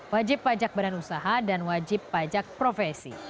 wajib pajak badan usaha dan wajib pajak profesi